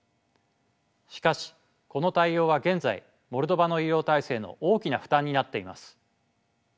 しかしこの対応は現在モルドバの医療体制の大きな負担になっています。